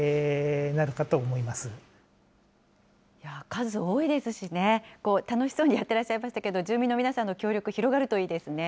数多いですしね、楽しそうにやってらっしゃいましたけれども、住民の皆さんの協力、広がるといいですね。